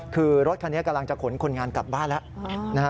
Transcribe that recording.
คือรถคันนี้กำลังจะขนคนงานกลับบ้านแล้วนะฮะ